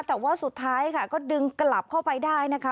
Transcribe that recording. แต่ว่าสุดท้ายค่ะก็ดึงกลับเข้าไปได้นะคะ